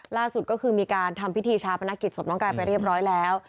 ล่าสุดก็คือมีการทำพิธีชาปนกิจศพน้องกายไปเรียบร้อยแล้ว